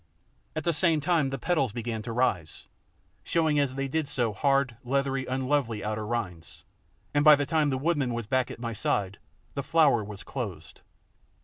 At the same time the petals began to rise, showing as they did so hard, leathery, unlovely outer rinds, and by the time the woodman was back at my side the flower was closed.